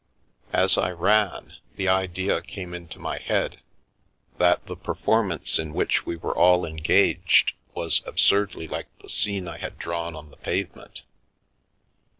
As I ran, the idea came into my head that the performance in which we were all engaged was absurdly like the scene I had drawn on the pavement.